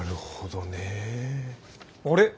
あれ？